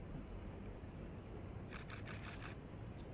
อันที่สุดท้ายก็คืออั